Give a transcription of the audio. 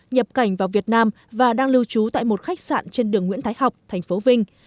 nhập cảnh vào việt nam và đang lưu trú tại một khách sạn trên đường nguyễn thái học thành phố vinh